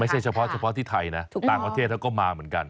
เฉพาะเฉพาะที่ไทยนะต่างประเทศเขาก็มาเหมือนกัน